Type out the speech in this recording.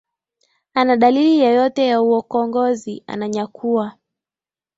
ana dalili yeyote ya uokongozi ananyakua